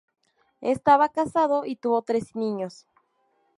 Estaba casado y tuvo tres niños.